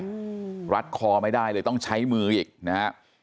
อืมรัดคอไม่ได้เลยต้องใช้มืออีกนะฮะ